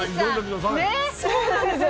そうなんですよ、